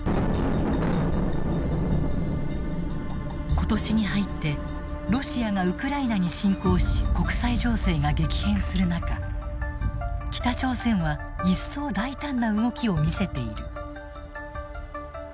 今年に入ってロシアがウクライナに侵攻し国際情勢が激変する中北朝鮮は一層大胆な動きを見せている。